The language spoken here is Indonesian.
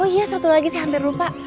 oh iya satu lagi saya hampir lupa